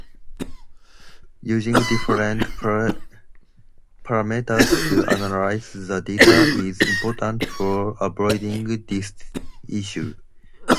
Using different parameters to analyze the data is important for avoiding this issue.